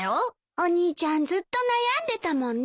お兄ちゃんずっと悩んでたもんね。